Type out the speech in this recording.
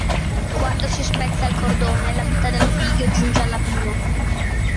Quando si spezza il cordone, la vita del figlio giunge alla fine.